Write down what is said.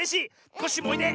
コッシーもおいで！